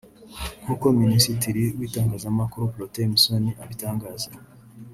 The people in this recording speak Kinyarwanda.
nk’uko Minisitiri w’itangazamakuru Protais Musoni abitangaza